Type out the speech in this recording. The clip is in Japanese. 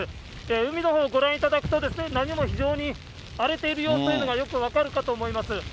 海の方ご覧いただくと、波も非常に荒れている様子というのがよく分かるかと思います。